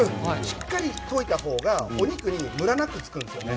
しっかり溶いた方がお肉にムラなくつくんですよね。